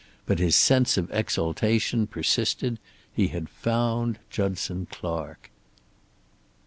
But his sense of exultation persisted. He had found Judson Clark.